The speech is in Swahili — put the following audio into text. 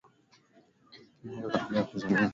Nyuma kabla ya kumzunguka Shilton na kufunga bao